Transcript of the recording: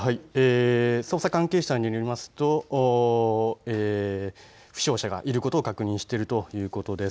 捜査関係者によりますと負傷者がいることを確認しているということです。